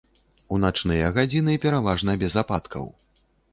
У начныя гадзіны пераважна без ападкаў.